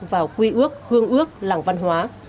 vào quy ước hương ước lảng văn hóa